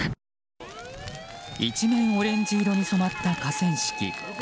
一面オレンジ色に染まった河川敷。